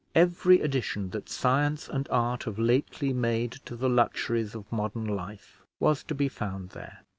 Every addition that science and art have lately made to the luxuries of modern life was to be found there.